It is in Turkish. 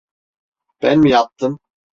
Ben mi yaptım?